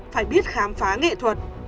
phải biết khám phá nghệ thuật